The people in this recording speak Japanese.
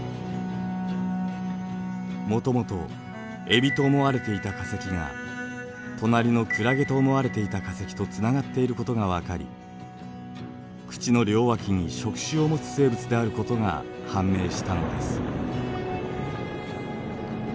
もともとエビと思われていた化石が隣のクラゲと思われていた化石とつながっていることが分かり口の両脇に触手を持つ生物であることが判明したのです。